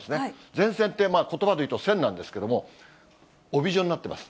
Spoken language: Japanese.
前線ってことばでいうと、線なんですけれども、帯状になってます。